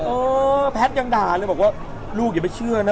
เออแพทย์ยังด่าเลยบอกว่าลูกอย่าไปเชื่อนะ